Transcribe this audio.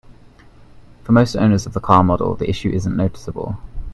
For most owners of the car model, the issue isn't noticeable.